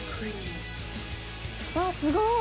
わっ、すごい。